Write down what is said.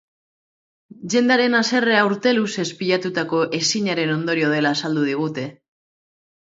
Jendearen haserrea urte luzez pilatutako ezinaren ondorio dela azaldu digute.